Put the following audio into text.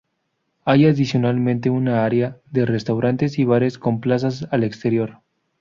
Hay adicionalmente un área de restaurantes y bares con plazas al exterior.